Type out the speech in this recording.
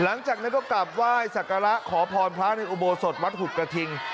หลังจากนั้นก็กลับไหว้สักการะขอพรพระในอุโบสถวัดหุบกระทิง